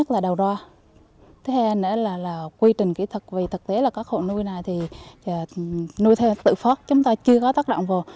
thực tế là các hộ nuôi này nuôi theo tự phót chúng ta chưa có tác động vô